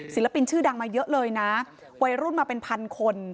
ศิลปินชื่อดังมาเยอะเลยนะวัยรุ่นมาเป็นพันคน